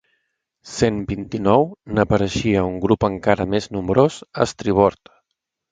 Cent vint-i-nou n'apareixia un grup encara més nombrós a estribord.